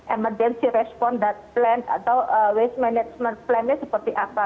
emergency response plan atau waste management plan nya seperti apa